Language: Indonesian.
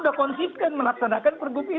sudah konsisten melaksanakan pergubnya